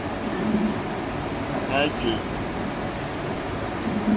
Ná jè.